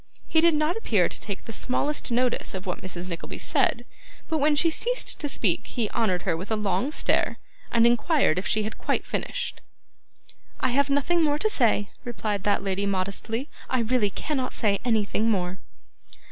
He did not appear to take the smallest notice of what Mrs. Nickleby said, but when she ceased to speak he honoured her with a long stare, and inquired if she had quite finished. 'I have nothing more to say,' replied that lady modestly. 'I really cannot say anything more.